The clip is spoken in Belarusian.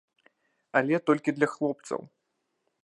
Але толькі для хлопцаў.